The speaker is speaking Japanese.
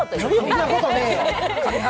そんなことねぇよ。